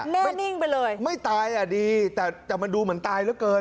แน่นิ่งไปเลยไม่ตายอ่ะดีแต่แต่มันดูเหมือนตายเหลือเกิน